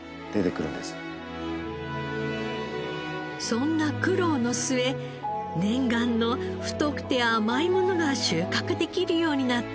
そんな苦労の末念願の太くて甘いものが収穫できるようになったのです。